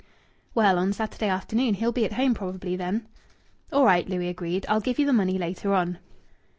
"Well, on Saturday afternoon. He'll be at home probably then." "All right," Louis agreed. "I'll give you the money later on."